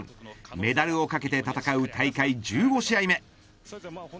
メダルをかけて戦う大会１５試合目。